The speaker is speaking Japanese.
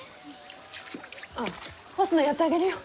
あっ干すのやってあげるよ。